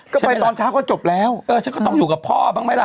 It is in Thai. ก็ไปตอนเช้าก็จบแล้วเออฉันก็ต้องอยู่กับพ่อบ้างไหมล่ะ